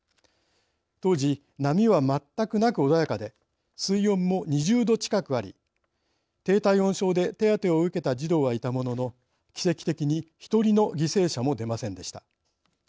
当時波は全くなく穏やかで水温も２０度近くあり低体温症で手当てを受けた児童はいたものの奇跡的に一人の犠牲者も出ませんでした。